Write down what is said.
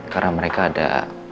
karena mereka ada